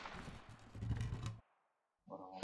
Gainera, epe luzera gauzak antolatzea ere ez dut atsegin.